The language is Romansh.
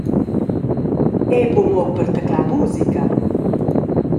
Era buca mo per tedlar musica.